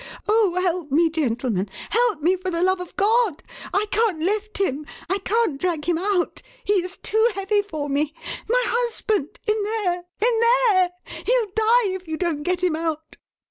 Oh, help me, gentlemen help me for the love of God! I can't lift him. I can't drag him out he is too heavy for me! My husband! In there! In there! He'll die if you don't get him out!"